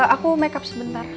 aku makeup sebentar